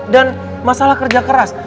dan masalah kerja keras